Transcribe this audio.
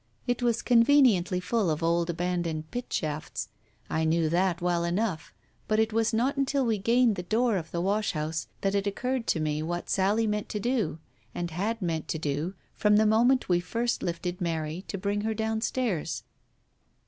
It was conveniently full of old abandoned pit shafts. I knew that well enough. But it was not until we gained the door of the wash house that it occurred to me what Sally meant to do, and had mean t to do from the moment w r e first lifted Mary to bring her downstairs.